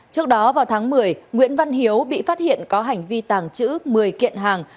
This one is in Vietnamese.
trước đó vào tháng một mươi nguyễn văn hiếu bị phát hiện có hành vi tàng trữ một mươi kiện hàng